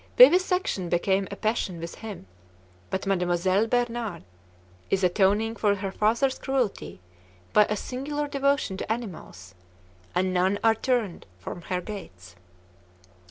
Vivisection became a passion with him, but Mademoiselle Bernard is atoning for her father's cruelty by a singular devotion to animals, and none are turned from her gates.